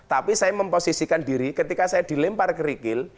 tapi saya memposisikan diri ketika saya dilempar kerikil